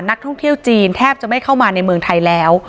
นักท่องเที่ยวจีนแทบจะไม่เข้ามาในเมืองไทยแล้ว